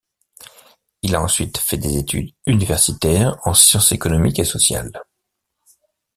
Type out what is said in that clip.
Il a ensuite fait des études universitaires en sciences économiques et sociales.